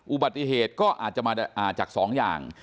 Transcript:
อุบัติเหตุก็อาจจะมาจากสองอย่าง